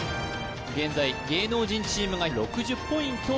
現在芸能人チームが６０ポイント